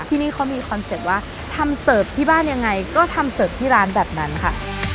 ที่นี่เขามีคอนเซ็ปต์ว่าทำเสิร์ฟที่บ้านยังไงก็ทำเสิร์ฟที่ร้านแบบนั้นค่ะ